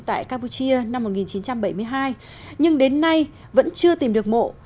tại campuchia năm một nghìn chín trăm bảy mươi hai nhưng đến nay vẫn chưa tìm được mộ